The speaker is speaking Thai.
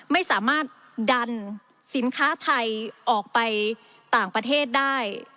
ไม่สามารถดันสินค้าไทยออกไปต่างประเทศได้